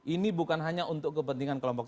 ini bukan hanya untuk kepentingan kelompok